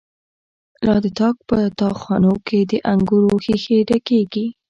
لا د تاک په تا خانو کی، د انگور ښیښی ډکیږی